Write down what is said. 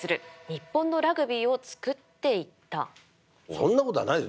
そんなことはないです